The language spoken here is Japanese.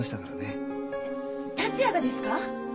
えっ達也がですか？